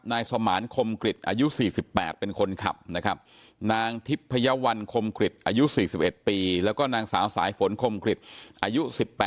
นายสมานคมกฤตอายุ๔๘